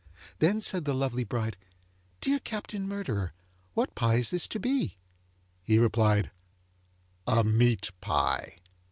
Then said the lovely bride, 'Dear Captain Murderer, what pie is this to be?' He replied, 'A meat pie.